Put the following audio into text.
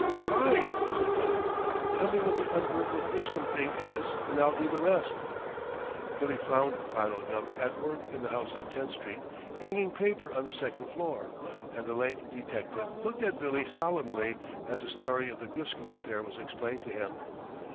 "Fine!" said Billy. "Tell me what the un burgled Griscom thing is, and I'll do the rest." Billy found Philo Gubb at work in the house on Tenth Street, hanging paper on the second floor, and the lank detective looked at Billy solemnly as the story of the Griscom affair was explained to him.